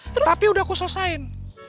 tapi udah aku selesain